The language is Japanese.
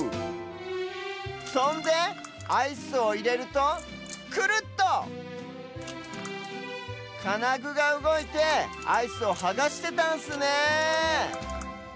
そんでアイスをいれるとクルッとかなぐがうごいてアイスをはがしてたんすね